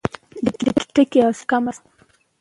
د ټيټکي حوصله تنګه شوه.